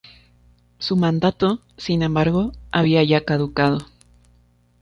Su mandato, sin embargo, había ya caducado.